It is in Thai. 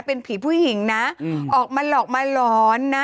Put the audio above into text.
เป็นผีผู้หญิงนะออกมาหลอกมาหลอนนะ